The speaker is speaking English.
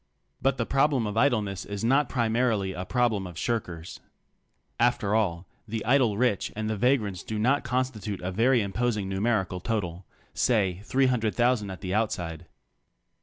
But the problem of idleness is not primarily a problem of shirkers. After all, the idle rich and the vagrants do not constitute a very imposing numerical total — say 300,000 at the outside.